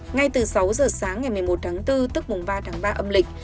ngay từ sáu giờ sáng ngày một mươi một tháng bốn tức mùng ba tháng ba âm lịch